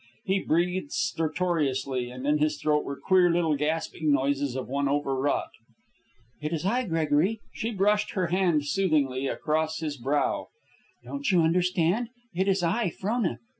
He breathed stertorously, and in his throat were the queer little gasping noises of one overwrought. "It is I, Gregory." She brushed her hand soothingly across his brow. "Don't you understand? It is I, Frona.